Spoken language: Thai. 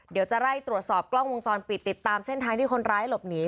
เดี๋ยวจะไล่ตรวจสอบกล้องวงจรปิดติดตามเส้นทางที่คนร้ายหลบหนี